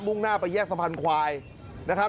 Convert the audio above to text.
่งหน้าไปแยกสะพานควายนะครับ